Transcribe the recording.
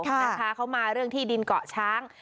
นะคะเขามาเรื่องที่ดินเกาะช้าง